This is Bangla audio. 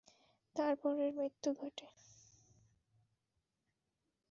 তারপর এর মৃত্যু ঘটে।